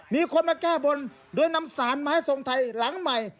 มีคนมาแก้บนโดยนำสารไม้ทรงไทยหลังใหม่